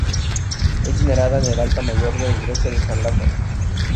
Es venerada en el altar mayor de la Iglesia de San Lázaro.